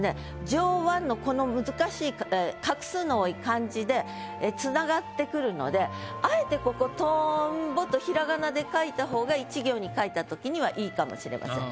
「上腕」のこの難しい画数の多い漢字でつながってくるのであえてここ「とんぼ」とひらがなで書いた方が１行に書いた時には良いかもしれません。